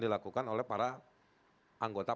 dilakukan oleh para anggota